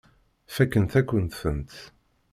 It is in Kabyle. Fakkent-akent-tent.